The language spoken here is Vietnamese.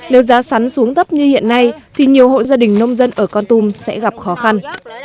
nếu giá sắn xuống thấp như hiện nay thì nhiều hộ gia đình nông dân ở con tum sẽ gặp khó khăn